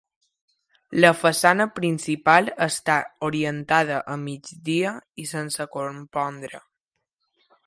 La façana principal està orientada a migdia i sense compondre.